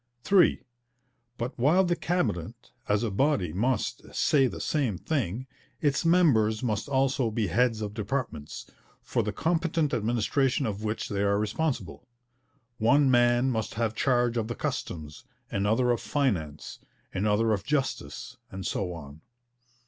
(3) But while the Cabinet as a body must 'say the same thing,' its members must also be heads of departments, for the competent administration of which they are responsible. One man must have charge of the Customs, another of Finance, another of Justice, and so on.